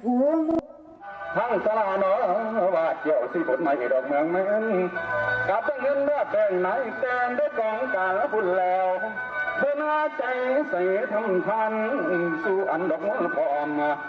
เพื่อนหาใจใส่ทำทานสู่อันดับมนต์ฟอร์ม